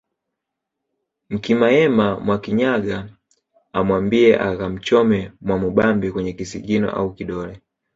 Mkimayena Mwakinyaga amwambie akamchome Mwamubambe kwenye kisigino au kidole